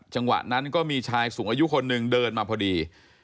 จังหวะนั้นก็มีชายสูงอายุคนหนึ่งเดินมาพอดี